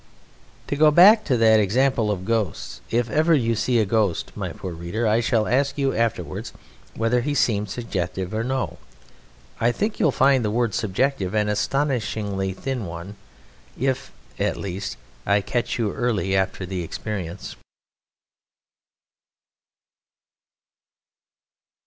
To go back to that example of ghosts. If ever you see a ghost (my poor reader), I shall ask you afterwards whether he seemed subjective or no. I think you will find the word "subjective" an astonishingly thin one if, at least, I catch you early after the experience.